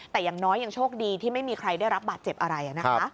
แต่อย่างน้อยยังโชคดีที่ไม่มีใครได้รับบาดเจ็บอะไรนะคะ